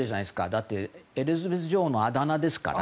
だってエリザベス女王のあだ名ですから。